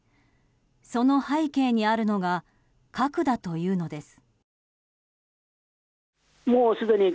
その背景にあるのが核だというのです。